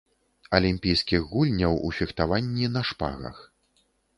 Алімпійскіх гульняў у фехтаванні на шпагах.